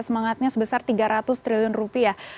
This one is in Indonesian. semangatnya sebesar tiga ratus triliun rupiah